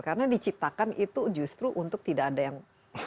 karena diciptakan itu justru untuk tidak ada yang